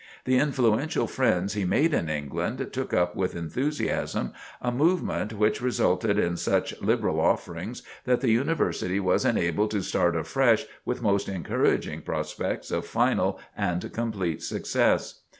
The influential friends he made in England took up with enthusiasm a movement which resulted in such liberal offerings that the University was enabled to start afresh with most encouraging prospects of final and complete success.